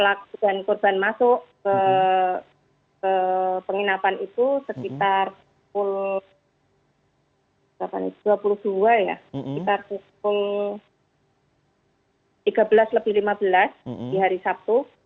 pelaku dan korban masuk ke penginapan itu sekitar pukul dua puluh dua ya sekitar pukul tiga belas lebih lima belas di hari sabtu